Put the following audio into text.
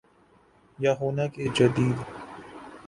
یا ہونا کہ جدید